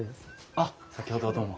あっ先ほどはどうも。